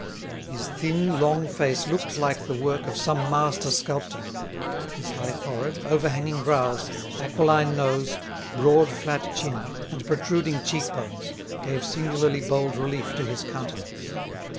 His thin, long face looked like the work of some master sculptor; his high forehead, overhanging brows, aquiline nose, broad flat chin, and protruding cheek bones, gave singularly bold relief to his countenance.